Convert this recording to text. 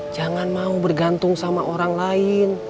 jangan mau bergantung sama orang lain